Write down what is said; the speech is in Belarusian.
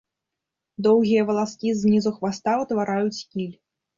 Доўгія валаскі знізу хваста ўтвараюць кіль.